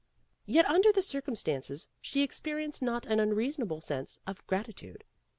Yet under the circumstances she ex perienced a not unreasonable sense of grati tude.